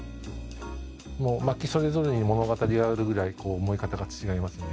薪それぞれに物語があるぐらい燃え方が違いますね。